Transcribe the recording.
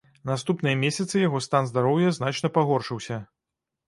Наступныя месяцы яго стан здароўя значна пагоршыўся.